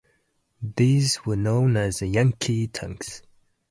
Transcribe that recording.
These were known as the "Yankee" tanks.